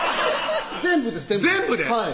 全部です全部で？